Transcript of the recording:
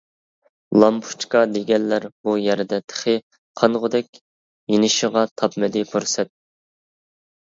لامپۇچكا دېگەنلەر بۇ يەردە تېخى، قانغۇدەك يېنىشىغا تاپمىدى پۇرسەت.